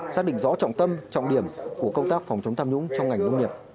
xác định rõ trọng tâm trọng điểm của công tác phòng chống tham nhũng trong ngành nông nghiệp